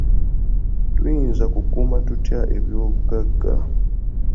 Tuyinza kukuuma tutya ebyobugagga?